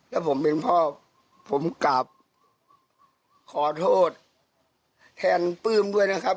แล้วผมเป็นพ่อผมกลับขอโทษแทนปลื้มด้วยนะครับ